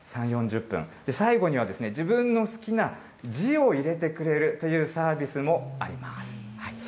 ３、４０分、最後に自分の好きな字を入れてくれるというサービスもあります。